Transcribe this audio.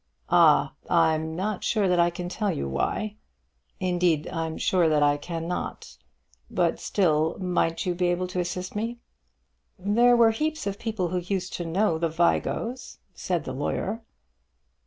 "Ah; I'm not sure that I can tell you why. Indeed I'm sure that I cannot. But still you might be able to assist me." "There were heaps of people who used to know the Vigos," said the lawyer.